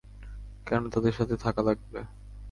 কেন তাদের সাথে থাকা লাগবে?